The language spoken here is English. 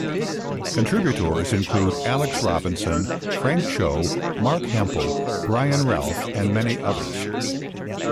Contributors included Alex Robinson, Frank Cho, Marc Hempel, Brian Ralph, and many others.